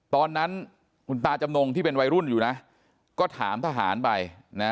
ตอนนั้นคุณตาจำนงที่เป็นวัยรุ่นอยู่นะก็ถามทหารไปนะ